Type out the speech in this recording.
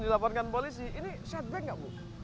dilaporkan polisi ini setback nggak bu